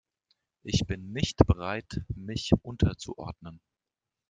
Ich bin nicht bereit, mich unterzuordnen.